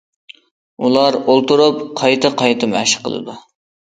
ئۇلار ئولتۇرۇپ قايتا- قايتا مەشىق قىلىدۇ.